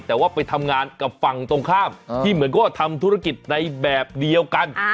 แต่ว่าไปทำงานกับฝั่งตรงข้ามที่เหมือนก็ทำธุรกิจในแบบเดียวกัน